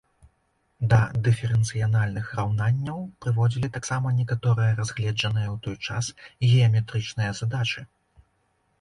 Да дыферэнцыяльных раўнанняў прыводзілі таксама некаторыя разгледжаныя ў той час геаметрычныя задачы.